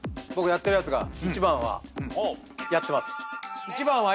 僕やってるやつが１番はやってます。